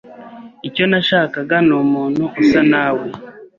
Icyo nashakaga ni umuntu usa nawe.